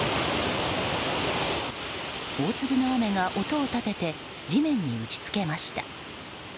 大粒の雨が音を立てて地面に打ち付けました。